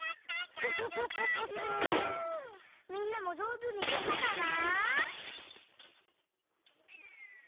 みんなもじょうずにできたかな？